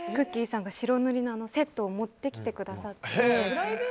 さんが白塗りのセットを持ってきてくださって。